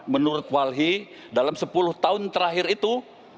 menurut walhi dalam sepuluh tahun terakhir itu